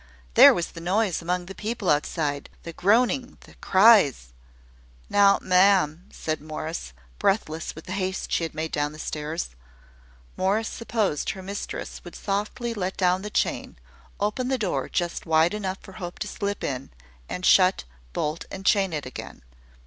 There was the noise among the people outside, the groaning, the cries! "Now, ma'am!" said Morris, breathless with the haste she had made down stairs. Morris supposed her mistress would softly let down the chain, open the door just wide enough for Hope to slip in, and shut, bolt, and chain it again.